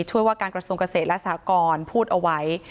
ว่าการกระทรวงเกษตรและสากรพูดเอาไว้